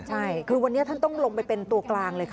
ใช่คือวันนี้ท่านต้องลงไปเป็นตัวกลางเลยค่ะ